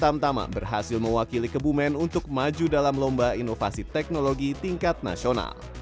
tamtama berhasil mewakili kebumen untuk maju dalam lomba inovasi teknologi tingkat nasional